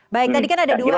baik tadi kan ada dua